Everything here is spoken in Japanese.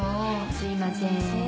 すいません。